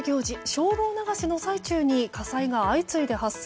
精霊流しの最中に火災が相次いで発生。